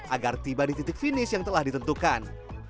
agar tiba di titik finish yang telah ditentukan